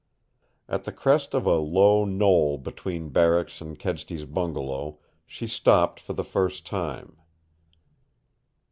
At the crest of a low knoll between barracks and Kedsty's bungalow she stopped for the first time.